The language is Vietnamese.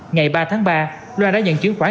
ngày ba tháng ba loan đã nhận chứng khoán